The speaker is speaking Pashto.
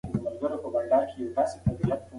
تعلیم خلک د خپلو حقونو او مسؤلیتونو په درک کې قوي کوي.